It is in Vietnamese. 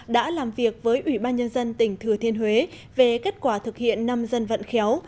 đã làm việc với ủy ban nhân dân tỉnh thừa thiên huế về kết quả thực hiện năm dân vận khéo